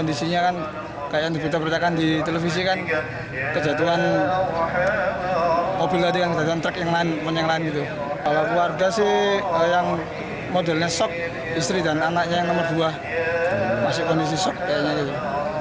istri dan anaknya yang nomor dua masih kondisi sok kayaknya gitu